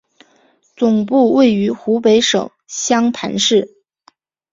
总部位于湖北省襄樊市。